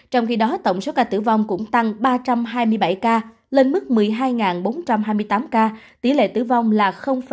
trong khi đó tổng số ca tử vong cũng tăng ba trăm hai mươi bảy ca lên mức một mươi hai bốn trăm hai mươi tám ca tỷ lệ tử vong là ba mươi